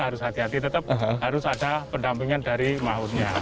harus hati hati tetap harus ada pendampingan dari mautnya